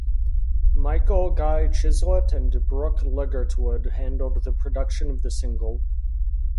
Michael Guy Chislett and Brooke Ligertwood handled the production of the single.